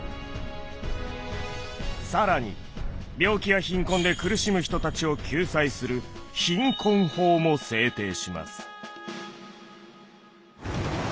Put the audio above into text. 更に病気や貧困で苦しむ人たちを救済する貧困法も制定します。